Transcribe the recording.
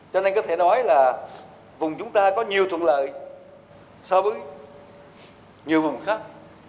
cho nên có thể nói là vùng chúng ta có nhiều thuận lợi so với nhiều vùng khác